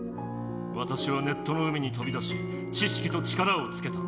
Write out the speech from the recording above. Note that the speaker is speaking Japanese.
わたしはネットの海にとび出し知識と力をつけた。